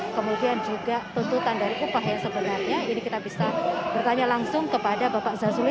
kemudian juga tuntutan dari upah yang sebenarnya ini kita bisa bertanya langsung kepada bapak zazuli